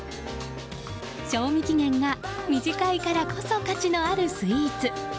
賞味期限が短いからこそ価値のあるスイーツ。